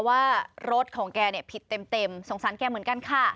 ว่ารถของแกผิดเต็มสงสารแกเหมือนกันค่ะ